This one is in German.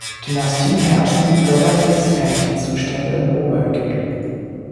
Dynastie herrschten bürgerkriegsähnliche Zustände in Oberägypten.